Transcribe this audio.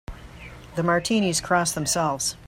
The Martinis cross themselves.